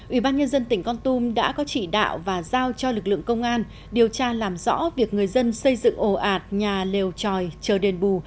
ủy ban nhân dân tỉnh con tum đã có chỉ đạo và giao cho lực lượng công an điều tra làm rõ việc người dân xây dựng ồ ạt nhà lều tròi chờ đền bù